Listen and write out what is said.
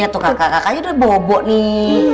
ya tuh kakak kakaknya udah bobo nih